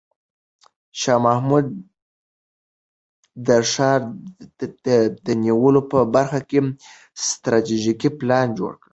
شاه محمود د ښار د نیولو په برخه کې ستراتیژیک پلان جوړ کړ.